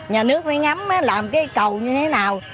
nhà nước mới ngắm làm cái cầu như thế nào